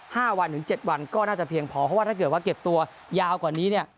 ห้าวันถึงเจ็ดวันก็น่าจะเพียงพอเพราะว่าถ้าเกิดว่าเก็บตัวยาวกว่านี้เนี่ย